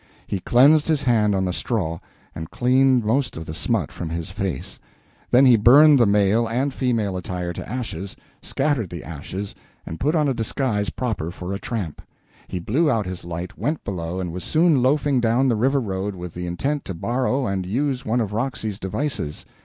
He cleansed his hand on the straw, and cleaned most of the smut from his face. Then he burned his male and female attire to ashes, scattered the ashes, and put on a disguise proper for a tramp. He blew out his light, went below, and was soon loafing down the river road with the intent to borrow and use one of Roxy's devices.